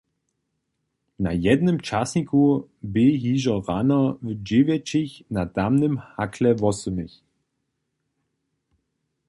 Na jednym časniku bě hižo rano w dźewjećich, na tamnym hakle wosmich?